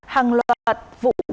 hàng loạt vụ bệnh